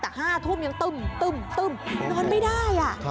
แต่๕ทุ่มยังตึ้มนอนไม่ได้